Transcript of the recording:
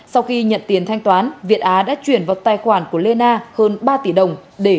sau khi nhận tiền thanh toán việt á đã chuyển vào tài khoản của lê na hơn ba tỷ đồng để chi hoa hồng